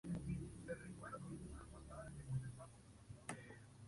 Otra forma de clasificar las alfombras es según su forma.